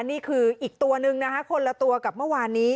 นี่คืออีกตัวนึงนะคะคนละตัวกับเมื่อวานนี้